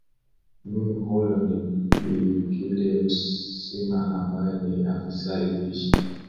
m huyo ni bi juiet sima ambaye ni afisa lishe